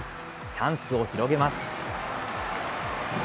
チャンスを広げます。